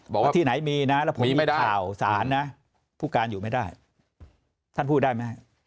ที่ไหนมีนะแล้วผมมีข่าวสารนะผู้การอยู่ไม่ได้ท่านพูดได้ไหม